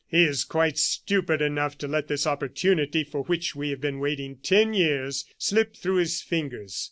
"He is quite stupid enough to let this opportunity, for which we have been waiting ten years, slip through his fingers.